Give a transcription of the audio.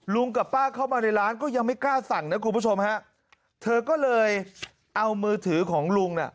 กับป้าเข้ามาในร้านก็ยังไม่กล้าสั่งนะคุณผู้ชมฮะเธอก็เลยเอามือถือของลุงน่ะ